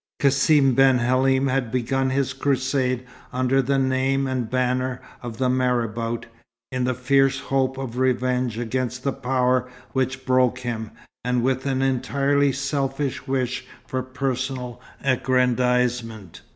Cassim ben Halim had begun his crusade under the name and banner of the marabout, in the fierce hope of revenge against the power which broke him, and with an entirely selfish wish for personal aggrandizement.